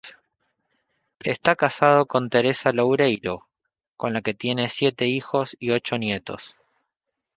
Está casado con Teresa Loureiro, con la que tiene siete hijos y ocho nietos.